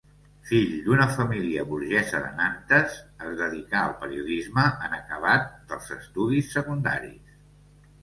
Fill d'una família burgesa de Nantes, es dedicà al periodisme en acabat dels estudis secundaris.